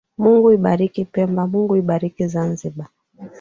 Mungu ibariki Pemba Mungu ibariki Zanzibar